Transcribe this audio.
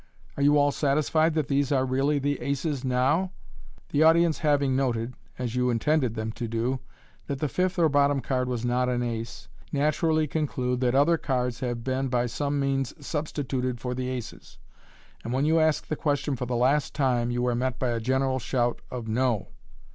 Are you all satisfied that these are really the aces now ?" The audi ence having noted, as you intended them to do, that the fifth or bottom card was not an ace, naturally conclude that other cards have been by some means substituted for the aces, and when you ask the question for the last time, you are met by a general shout of " No